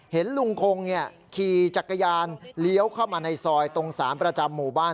เห็นลุงคงขี่จักรยานเลี้ยวเข้ามาในซอยตรง๓ประจำหมู่บ้าน